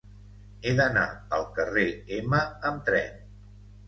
He d'anar al carrer Ema amb tren.